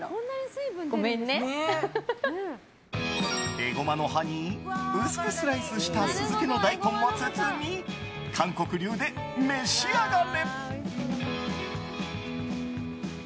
エゴマの葉に薄くスライスした酢漬けの大根も包み韓国流で、召し上がれ。